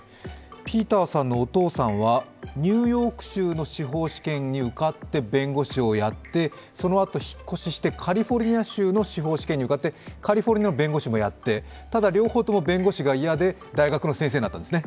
ピーターさんのお父さんはニューヨーク州の司法試験に受かって弁護士をやって、そのあと引っ越ししてカリフォルニア州の司法試験に受かってカリフォルニアの弁護士もやって、ただ、両方とも弁護士が嫌で大学の先生になったんですね。